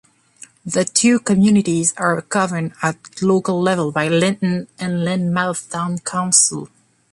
The two communities are governed at local level by "Lynton and Lynmouth Town Council".